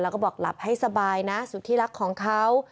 แล้วก็บอกหลับให้สบายนะสุดที่รักของเขา